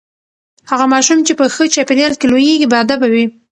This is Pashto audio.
هغه ماشوم چې په ښه چاپیریال کې لوییږي باادبه وي.